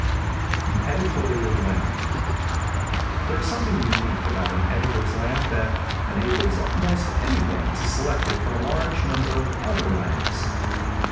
THE EDITORIAL LAMP. |THERE is something unique about an editor's lamp that, enables most anyone to select it from a large number of other lamps.